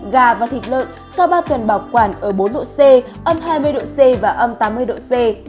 gà và thịt lợn sau ba tuần bảo quản ở bốn độ c âm hai mươi độ c và âm tám mươi độ c